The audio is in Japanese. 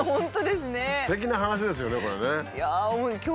すてきな話ですよねこれね。